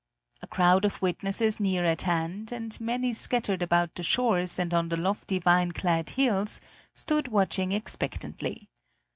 A crowd of witnesses near at hand, and many scattered about the shores, and on the lofty vine clad hills, stood watching expectantly.